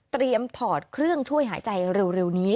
ถอดเครื่องช่วยหายใจเร็วนี้